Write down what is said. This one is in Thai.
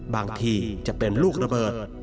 บางทีจะเป็นลูกระเบิด